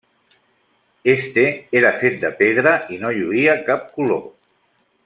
Este era fet de pedra i no lluïa cap color.